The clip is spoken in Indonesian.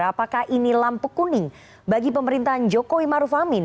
apakah ini lampu kuning bagi pemerintahan jokowi maruf amin